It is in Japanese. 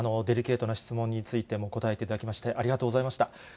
デリケートな質問についても答えていただきまして、ありがとうございました。